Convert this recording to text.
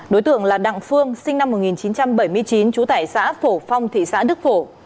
đối tượng là đặng phương sinh năm một nghìn chín trăm bảy mươi chín trú tại xã phổ phong thị xã đức phổ